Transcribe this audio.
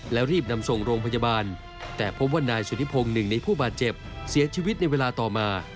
แล้วรีบนำส่งโรงพยาบาลแต่พบว่านายสุธิพงศ์หนึ่งในผู้บาดเจ็บเสียชีวิตในเวลาต่อมา